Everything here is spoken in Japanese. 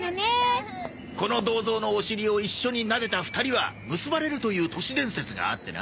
この銅像のお尻を一緒になでた２人は結ばれるという都市伝説があってな。